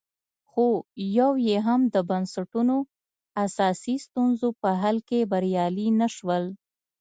خو یو یې هم د بنسټونو اساسي ستونزو په حل کې بریالي نه شول